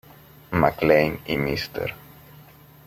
MacLaine y Mr.